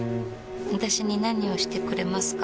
私に何をしてくれますか？